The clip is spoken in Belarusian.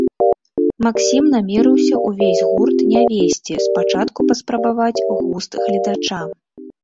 Максім намерыўся ўвесь гурт не весці, спачатку паспрабаваць густ гледача.